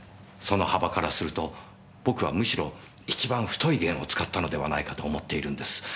その幅からすると僕はむしろ一番太い弦を使ったのではないかと思っているんです。